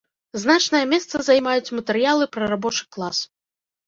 Значнае месца займаюць матэрыялы пра рабочы клас.